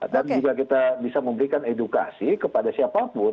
dan juga kita bisa memberikan edukasi kepada siapapun